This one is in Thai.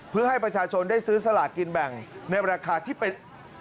เพื่อให้ประชาชนได้ซื้อสลากกินแบ่งในราคาที่เป็น